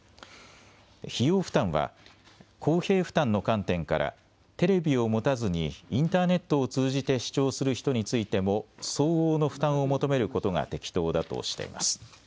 費用負担は公平負担の観点からテレビを持たずにインターネットを通じて視聴する人についても相応の負担を求めることが適当だとしています。